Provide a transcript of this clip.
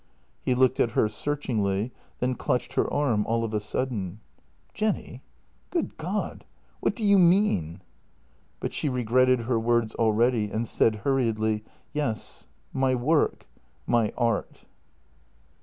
He looked at her searchingly, then clutched her arm all of a sudden :" Jenny — good God! — what do you mean? " But she regretted her words already, and said hurriedly: "Yes, my work — my art."